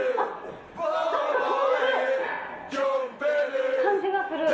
何か飛んでる感じがする。